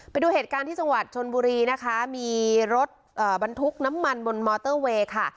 ไปดูเหตุการณ์ที่จังหวัดชนบุรีนะคะมีรถบรรทุกน้ำมันบนมอเตอร์เวย์ค่ะ